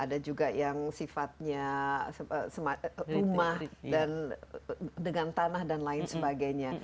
ada juga yang sifatnya rumah dan dengan tanah dan lain sebagainya